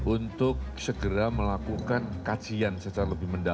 untuk segera melakukan kajian secara lebih mendalam